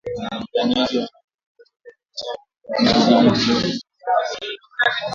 Wapiganaji wanaoaminika kuwa wanachama walivamia kijiji cha Bulongo katika jimbo la Kivu kaskazini